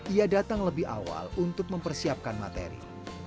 ia datang lebih awal untuk mempersiapkan materi